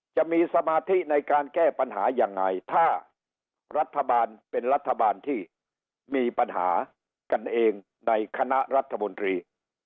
จะมีสมาธิในการแก้ปัญหายังไงถ้ารัฐบาลเป็นรัฐบาลที่มีปัญหากันเองในคณะรัฐมนตรี